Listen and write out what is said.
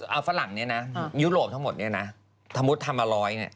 เอาฝรั่งนี้นะยุโรปทั้งหมดนี้นะสมมุติทำมาร้อย